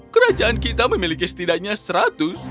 kerajaan kita memiliki setidaknya seratus